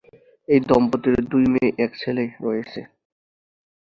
এই দম্পতির দুই মেয়ে ও এক ছেলে রয়েছে।